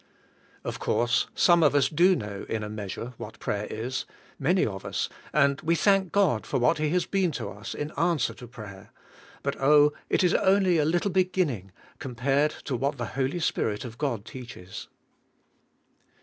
Of course some of us do know in a measure what prayer is, many of us, and we thank God for what he has been to us in answer to prayer, but oh, it is only a little beginning co:r.pared to what the Holy Spirit of God teaches.